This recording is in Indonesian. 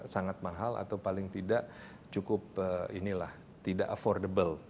sangat mahal atau paling tidak cukup inilah tidak affordable